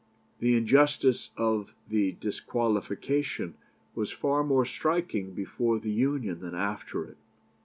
The injustice of the disqualification was far more striking before the Union than after it.